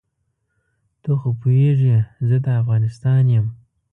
ته خو پوهېږې زه د افغانستان یم.